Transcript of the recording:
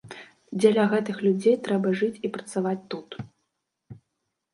Дзеля гэтых людзей трэба жыць і працаваць тут.